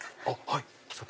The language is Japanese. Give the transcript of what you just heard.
はい。